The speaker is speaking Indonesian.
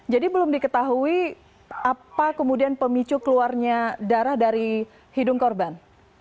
jadi belum diketahui apa kemudian pemicu keluarnya darah dari hidung korban